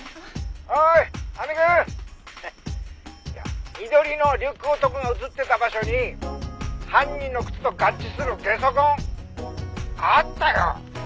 「おーい亜美くん！」「緑のリュック男が映ってた場所に犯人の靴と合致するゲソ痕あったよ！」